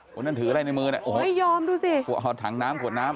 คนนั้นถืออะไรในมือน่ะโอ้โฮหอดถังน้ำหอดน้ำ